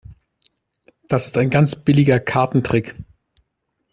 Das ist ein ganz billiger Kartentrick.